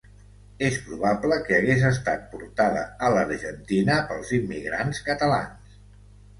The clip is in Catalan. És probable que hagués estat portada a l'Argentina pels immigrants catalans.